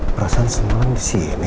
perasaan semalan disini